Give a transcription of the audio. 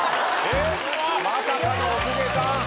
・まさかのお公家さん。